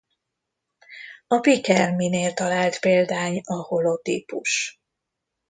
A Pikermi-nél talált példány a holotípus.